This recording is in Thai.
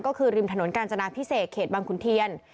ก็คือริมถนนกาญจนาพิเศษเขตบังขุนเทียน